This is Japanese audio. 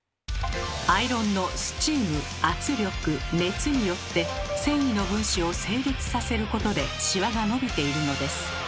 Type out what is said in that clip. アイロンのスチーム圧力熱によって繊維の分子を整列させることでシワが伸びているのです。